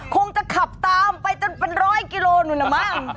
คงจะขับตามไปจนเป็นร้อยกิโลนู่นละมั้ง